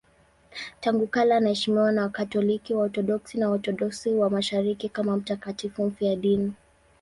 Tangu kale anaheshimiwa na Wakatoliki, Waorthodoksi na Waorthodoksi wa Mashariki kama mtakatifu mfiadini.